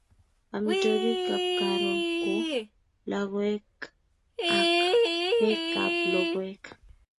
Amitwogikap karon ko logoek ak pekap logoek